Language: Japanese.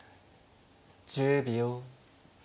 １０秒。